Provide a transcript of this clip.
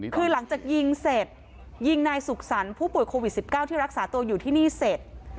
คือหลังจากยิงเสร็จยิงนายสุขสรรค์ผู้ป่วยโควิด๑๙ที่รักษาตัวอยู่ที่นี่เสร็จ